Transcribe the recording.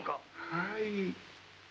はい。